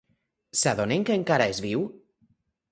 S'adonen que encara és viu?